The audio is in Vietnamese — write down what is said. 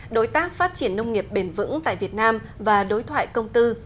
đối tác phát triển nông nghiệp bền vững tại việt nam và đối thoại công tư